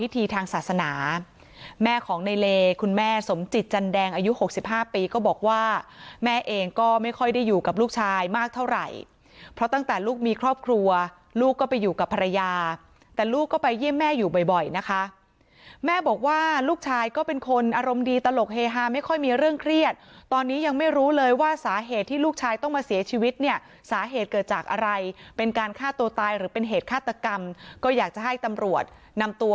เท่าไหร่เพราะตั้งแต่ลูกมีครอบครัวลูกก็ไปอยู่กับภรรยาแต่ลูกก็ไปเยี่ยมแม่อยู่บ่อยนะคะแม่บอกว่าลูกชายก็เป็นคนอารมณ์ดีตลกเฮฮาไม่ค่อยมีเรื่องเครียดตอนนี้ยังไม่รู้เลยว่าสาเหตุที่ลูกชายต้องมาเสียชีวิตเนี่ยสาเหตุเกิดจากอะไรเป็นการฆ่าตัวตายหรือเป็นเหตุฆาตกรรมก็อยากจะให้ตำรวจนำตัว